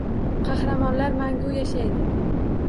Qahramonlar mangu yashaydi